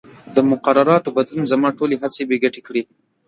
د مقرراتو بدلون زما ټولې هڅې بې ګټې کړې.